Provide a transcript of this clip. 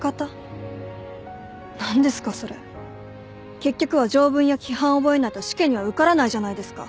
結局は条文や規範を覚えないと試験には受からないじゃないですか。